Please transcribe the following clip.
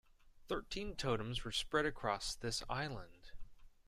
Thirteen totems were spread across this island.